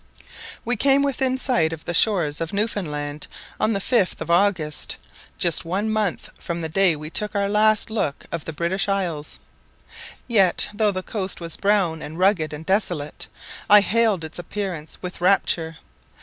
We came within sight of the shores of Newfoundland on the 5th of August, just one month from the day we took our last look of the British isles. Yet though the coast was brown, and rugged, and desolate, I hailed its appearance with rapture.